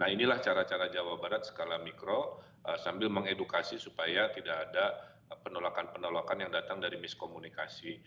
nah inilah cara cara jawa barat skala mikro sambil mengedukasi supaya tidak ada penolakan penolakan yang datang dari miskomunikasi